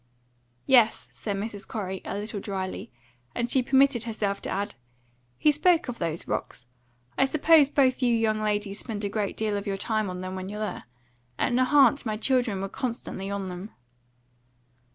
"Yes," said Mrs. Corey, a little dryly; and she permitted herself to add: "He spoke of those rocks. I suppose both you young ladies spend a great deal of your time on them when you're there. At Nahant my children were constantly on them."